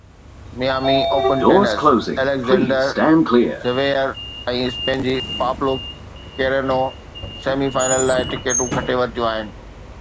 Miami Open tennis Alexander Zverev ۽ Spain جي Pablo Carreno semi final لاءِ ٽڪيٽون کٽي ورتيون آهن.